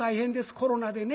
コロナでね。